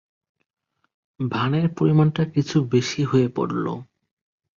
ভানের পরিমাণটা কিছু বেশি হয়ে পড়ল।